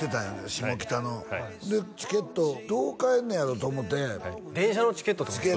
下北のでチケットをどう買えんねやろと思って電車のチケットってことですか？